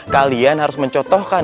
kalian harus mencotohkan